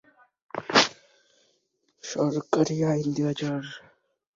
প্রশাসনিকভাবে শহরটি ফটিকছড়ি উপজেলার সদর।